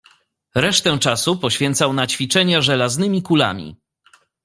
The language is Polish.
"Resztę czasu poświęcał na ćwiczenia żelaznymi kulami."